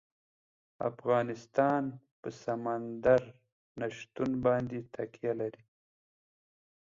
افغانستان په سمندر نه شتون باندې تکیه لري.